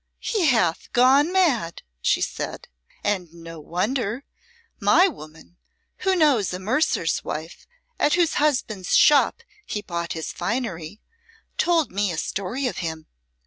"He hath gone mad," she said. "And no wonder! My woman, who knows a mercer's wife at whose husband's shop he bought his finery, told me a story of him.